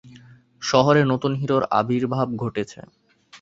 শহরে নতুন হিরোর আবির্ভাব ঘটেছে!